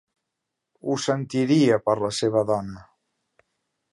Ho sentiria per la seva dona.